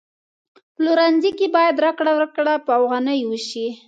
پلورنځي کی باید راکړه ورکړه په افغانیو وشي